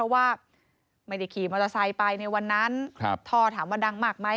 ว่าไม่ได้ขี่มอเตอร์ไซค์ไปในวันนั้นท่อถามว่าดังมากไหม